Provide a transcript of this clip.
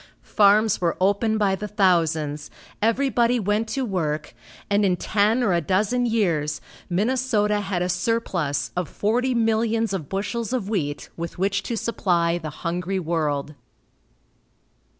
Farms were opened by the thousands, everybody went to work, and in ten or a dozen years, Minnesota had a surplus of forty millions of bushels of wheat with which to supply the hungry world.